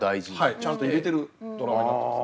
ちゃんと入れてるドラマになってますね。